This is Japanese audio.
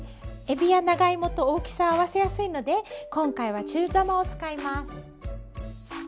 えびや長芋と大きさを合わせやすいので今回は中玉を使います。